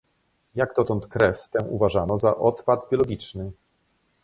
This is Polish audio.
Jak dotąd krew tę uważano za odpad biologiczny